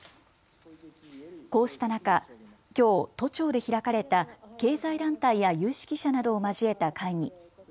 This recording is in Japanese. こうした中、きょう都庁で開かれた経済団体や有識者などを交えた会議。